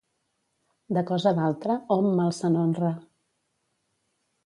De cosa d'altre, hom mal se n'honra.